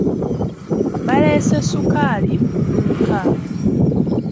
Baleese ssukaali ku dduuka.